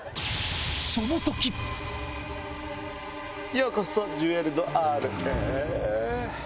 ようこそジュエル・ド・Ｒへ。